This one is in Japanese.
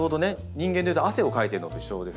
人間で言うと汗をかいてるのと一緒ですか？